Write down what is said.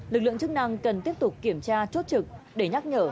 lực lượng chức năng cần tiếp tục kiểm tra chốt trực để nhắc nhở